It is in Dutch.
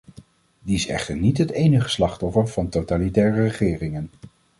Die is echter niet het enige slachtoffer van totalitaire regeringen.